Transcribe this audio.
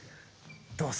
どうぞ。